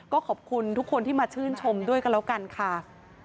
ก็ขอบคุณทุกคนที่มาชื่นชมด้วยกันแล้วกันค่ะ